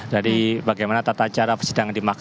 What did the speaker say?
dari bagaimana tata cara persidangan di mahkamah